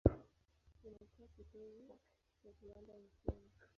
Imekuwa kitovu cha viwanda nchini.